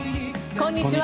こんにちは。